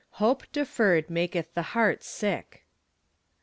"HOPE DEFERRED MAKETH THE HEART SICK."